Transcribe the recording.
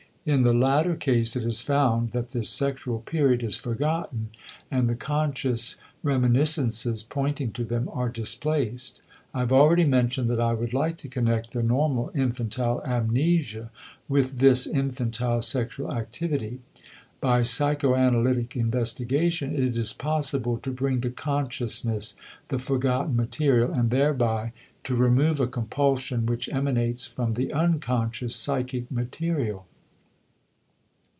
In the latter case it is found that this sexual period is forgotten and the conscious reminiscences pointing to them are displaced; I have already mentioned that I would like to connect the normal infantile amnesia with this infantile sexual activity. By psychoanalytic investigation it is possible to bring to consciousness the forgotten material, and thereby to remove a compulsion which emanates from the unconscious psychic material.